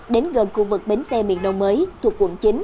đến gần khu vực bến xe miền đông mới thuộc quận chín